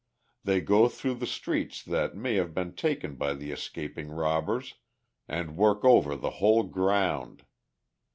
They go through the streets that may have been taken by the escaping robbers, and work over the whole ground.